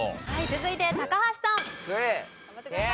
続いて高橋さん。